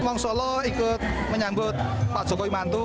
sekarang solo ikut menyambut pak jokowi mantu